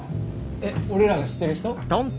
えっ俺らが知ってる人？